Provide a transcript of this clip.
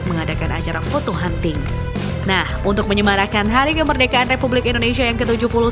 nah untuk menyemarakan hari kemerdekaan republik indonesia yang ke tujuh puluh satu